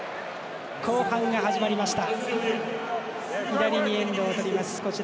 後半が始まりました。